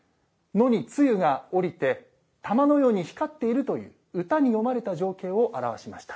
野に露が降りて玉のように光っているという歌に詠まれた情景を表しました。